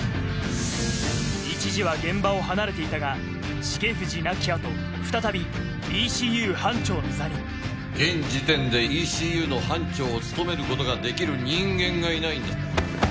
一時は現場を離れていたが重藤亡き後再びＥＣＵ班長の座に現時点でＥＣＵの班長を務めることができる人間がいないんだ。